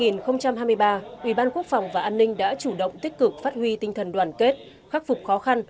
năm hai nghìn hai mươi ba ủy ban quốc phòng và an ninh đã chủ động tích cực phát huy tinh thần đoàn kết khắc phục khó khăn